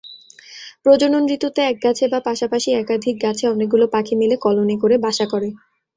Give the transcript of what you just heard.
প্রজনন ঋতুতে এক গাছে বা পাশাপাশি একাধিক গাছে অনেকগুলো পাখি মিলে কলোনি করে বাসা করে।